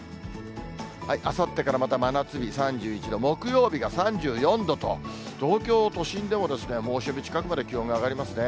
あさってからまた真夏日３１度、木曜日が３４度と、東京都心でも猛暑日近くまで気温が上がりますね。